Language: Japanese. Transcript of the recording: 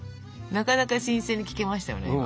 なかなか新鮮に聞けましたよね。